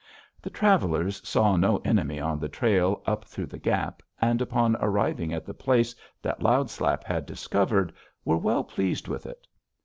"The travelers saw no enemy on the trail up through the gap, and, upon arriving at the place that Loud Slap had discovered, were well pleased with it.